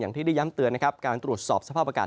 อย่างที่ได้ย้ำเตือนการตรวจสอบสภาพประกาศ